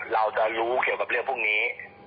เราจะรู้เกี่ยวกับเรื่องพวกนี้